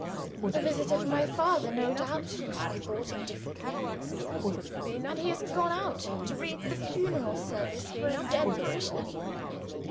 "A visitor for my father, no doubt," I thought indifferently; "and he has gone out to read the funeral service for a dead parishioner.